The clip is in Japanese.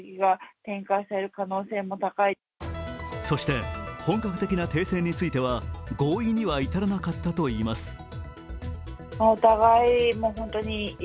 そして、本格的な停戦については合意には至らなかったといいます。